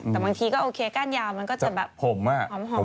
แต่บางทีก็โอเคก้านยาวมันก็จะแบบผมอ่ะหอม